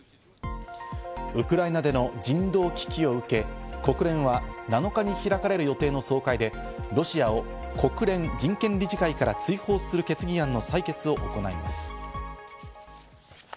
ウクライナでの人道危機を受け、国連は７日に開かれる予定の総会で、ロシアを国連人権理事会から追放する決議案の採決を行います。